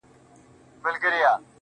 o څومره دي ښايست ورباندي ټك واهه.